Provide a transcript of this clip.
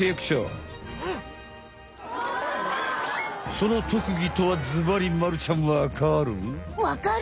その特技とはずばりまるちゃんわかる？わかる？